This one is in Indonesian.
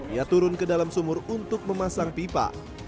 ia turun ke dalam sumur untuk memasang pipa